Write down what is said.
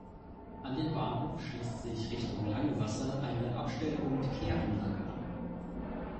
An den Bahnhof schließt sich Richtung Langwasser eine Abstell- und Kehranlage an.